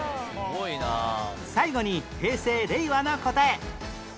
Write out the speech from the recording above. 最後に平成・令和の答え